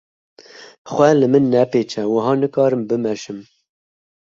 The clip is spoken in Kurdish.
Xwe li min nepêçe wiha nikarim bimeşim.